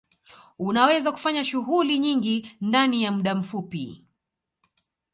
Unaweza kufanya shughuli nyingi ndani ya muda mfupi